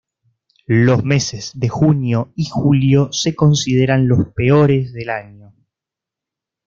Los meses de junio y julio se consideran los peores del año.